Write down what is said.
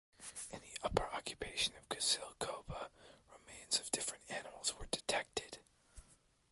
In the upper occupation of Kizil Koba remains of different animals were detected.